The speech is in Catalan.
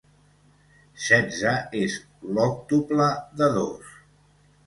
Setze és l'òctuple de dos.